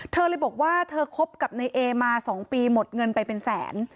เธอเลยบอกว่าเธอคบกับนายเอมา๒ปีหมดเงินไปเป็นแสน